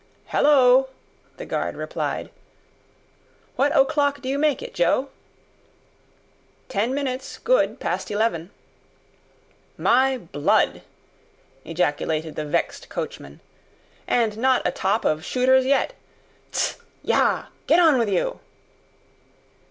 "Halloa!" the guard replied. "What o'clock do you make it, Joe?" "Ten minutes, good, past eleven." "My blood!" ejaculated the vexed coachman, "and not atop of Shooter's yet! Tst! Yah! Get on with you!"